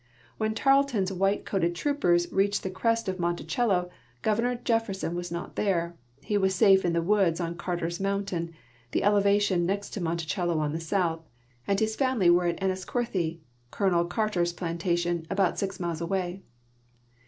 When Tarleton's white coated troo|>ers reached the crest of Monticello, Governor Jefferson was not there; he was safe in the woods on Carter's mountain, the elevation ne.xtto Monticelloon thesouth, and his family were at Enniscorthy, Colonel Carter's plantation, al)out six miles away.